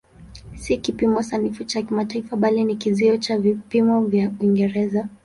Si kipimo sanifu cha kimataifa bali ni kizio cha vipimo vya Uingereza.